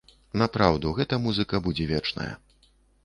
Напраўду, гэта музыка будзе вечная.